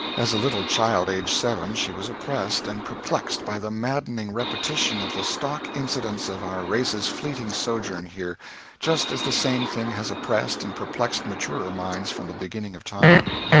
As a little child aged seven, she was oppressed and perplexed by the maddening repetition of the stock incidents of our race's fleeting sojourn here, just as the same thing has oppressed and perplexed maturer minds from the beginning of time.